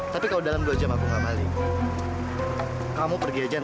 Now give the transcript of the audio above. tapi bagi kami harus berpakaian